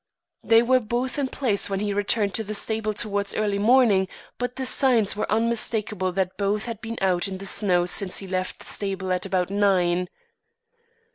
They were both in place when he returned to the stable towards early morning, but the signs were unmistakable that both had been out in the snow since he left the stable at about nine.